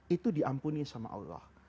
itu diampuni sama allah